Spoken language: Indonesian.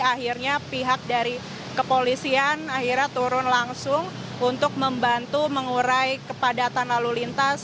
akhirnya pihak dari kepolisian akhirnya turun langsung untuk membantu mengurai kepadatan lalu lintas